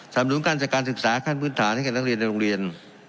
นุนการจัดการศึกษาขั้นพื้นฐานให้กับนักเรียนในโรงเรียน